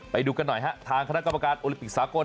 ไปดูกันหน่อยฮะทางคณะกรรมการโอลิปิกสากล